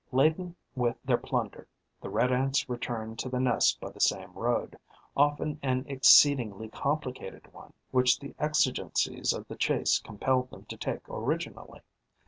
Laden with their plunder, the Red Ants return to the nest by the same road, often an exceedingly complicated one, which the exigencies of the chase compelled them to take originally.